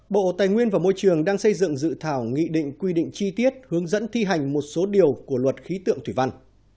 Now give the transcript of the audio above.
bộ tài nguyên và môi trường đang xây dựng dự thảo nghị định quy định chi tiết hướng dẫn thi hành một số điều của luật khí tượng thủy văn